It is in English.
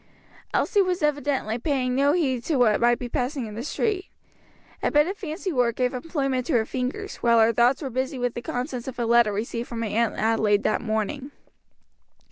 Elsie was evidently paying no heed to what might be passing in the street. A bit of fancy work gave employment to her fingers, while her thoughts were busy with the contents of a letter received from her Aunt Adelaide that morning.